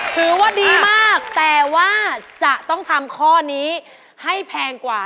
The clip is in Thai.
ถือว่าดีมากแต่ว่าจะต้องทำข้อนี้ให้แพงกว่า